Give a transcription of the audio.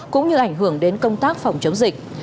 cũng như ảnh hưởng đến công tác phòng chống dịch